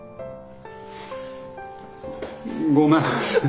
ごめん。